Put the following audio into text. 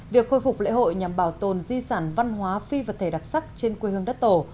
việc khôi phục lễ hội nhằm bảo tồn di sản văn hóa phi vật thể đặc sắc trên quê hương đất tổ